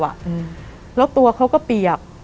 แล้วตัวเขาก็เปียก